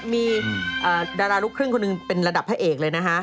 มีดาราลูกครึ่งคนหนึ่งเป็นระดับพระเอกเลยนะฮะ